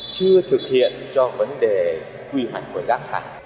chưa thực hiện cho vấn đề quy hoạch của rác thải